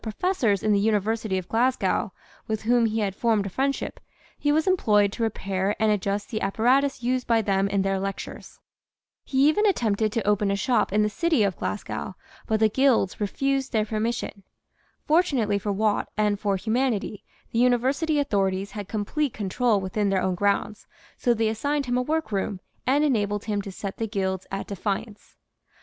professors in the University of Glasgow, with whom he had formed a friendship, he was employed to repair and adjust the appa ratus used by them in their lectures. He even attempted 1 84 THE SEVEN FOLLIES OF SCIENCE to open a shop in the city of Glasgow, but the guilds refused their permission. Fortunately for Watt and for humanity the University authorities had complete control within their own grounds, so they assigned him a workroom and enabled him to set the guilds at defiance.